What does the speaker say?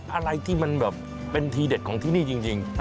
อะไรที่มันแบบเป็นทีเด็ดของที่นี่จริง